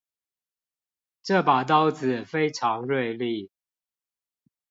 這把刀子非常銳利